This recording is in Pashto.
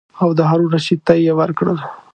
او د هارون الرشید ته یې ورکړل.